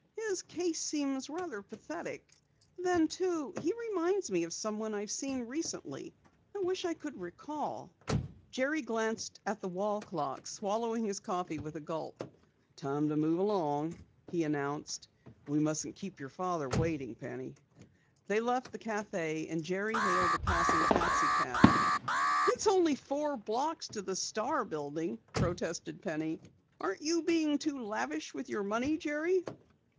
"His case seems rather pathetic. Then, too, he reminds me of someone I've seen recently. I wish I could recall " Jerry glanced at the wall clock, swallowing his coffee with a gulp. "Time to move along," he announced. "We mustn't keep your father waiting, Penny." They left the café and Jerry hailed a passing taxicab. "It's only four blocks to the Star building," protested Penny. "Aren't you being too lavish with your money, Jerry?"